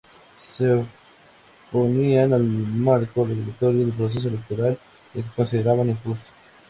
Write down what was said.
Se oponían al marco regulatorio del proceso electoral, el que consideraban injusto.